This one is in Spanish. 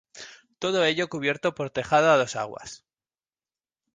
Todo ello cubierto por tejado a dos aguas.